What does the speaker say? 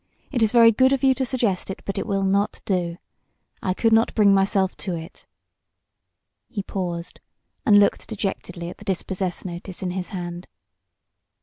"It is very good of you to suggest it; but it will not do. I could not bring myself to it " He paused, and looked dejectedly at the dispossess notice in his hand.